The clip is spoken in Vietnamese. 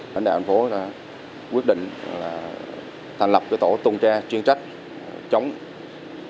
bản đạo thành phố đã quyết định thành lập tổ tuân tre chuyên trách chống trộm cấp